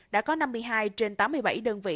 ród công ty xã hội khu vực rồi tổng số tiền ở dưới phím